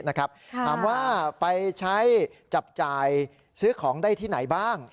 ถามว่าไปใช้จับจ่ายซื้อของได้ที่ไหนบ้าง